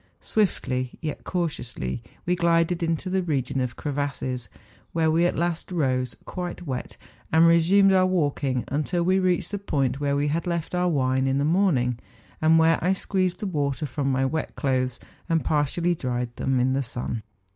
Swiftly, yet cautiously, we glided into the region of crevasses, where we at last rose, quite wet, and resumed our walking, until we reached the point where we had left our wine in the morning, and where I squeezed the water from my wet clothes, and partially dried them in the sun.